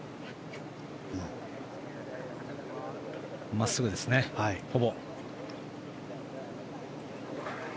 真っすぐですね、ほぼ。